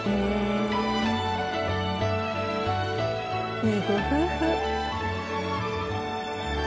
いいご夫婦。